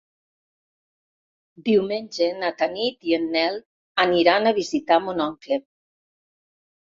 Diumenge na Tanit i en Nel aniran a visitar mon oncle.